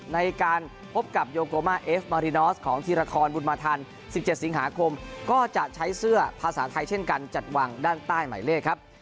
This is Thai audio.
ในการพบกับโยโกมาเอฟมารินอสของธีรทรบุญมาทัน๑๗สิงหาคมก็จะใช้เสื้อภาษาไทยเช่นกันจัดวางด้านใต้หมายเลขครับ